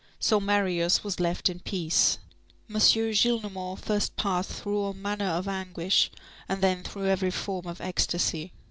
So Marius was left in peace. M. Gillenormand first passed through all manner of anguish, and then through every form of ecstasy.